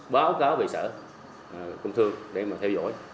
báo cáo về sở công thương để mà theo dõi